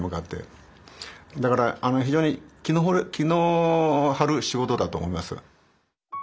だから非常に気の張る仕事だと思います。